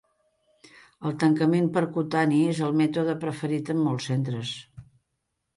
El tancament percutani és el mètode preferit en molts centres.